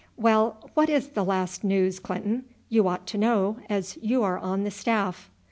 Well, what is the last news, Clinton? You ought to know, as you are on the staff."